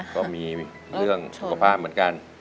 ก็มีเรื่องสุขภาพเหมือนกัน